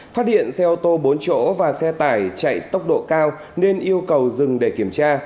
phát hiện xe ô tô bốn chỗ và xe tải chạy tốc độ cao nên yêu cầu dừng để kiểm tra